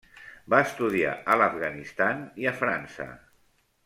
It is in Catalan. Va estudiar a l'Afganistan i a França.